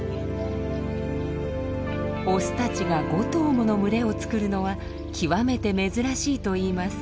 オスたちが５頭もの群れを作るのは極めて珍しいといいます。